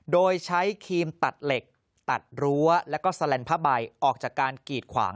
โดยใช้ครีมตัดเหล็กตัดรั้วแล้วก็แสลนผ้าใบออกจากการกีดขวาง